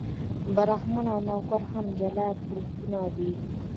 برهمن او نوکر هم جلا ګروپونه دي.